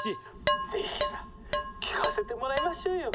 「ぜひ聞かせてもらいましょうよ」。